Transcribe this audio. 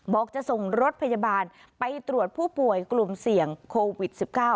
จะส่งรถพยาบาลไปตรวจผู้ป่วยกลุ่มเสี่ยงโควิด๑๙